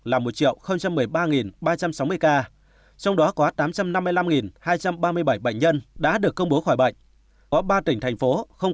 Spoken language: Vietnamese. là một một mươi ba ba trăm sáu mươi ca trong đó có tám trăm năm mươi năm hai trăm ba mươi bảy bệnh nhân đã được công bố khỏi bệnh có ba tỉnh thành phố